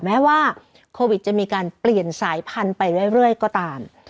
แม้ว่าโควิดจะมีการเปลี่ยนสายพันธุ์ไปเรื่อยก็ตาม